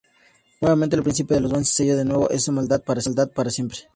Nuevamente, el príncipe lo vence y sella de nuevo a esa maldad para siempre.